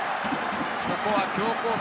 ここは強攻策。